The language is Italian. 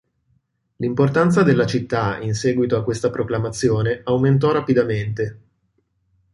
L'importanza della città, in seguito a questa proclamazione, aumentò rapidamente.